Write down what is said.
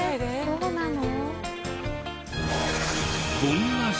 そうなの？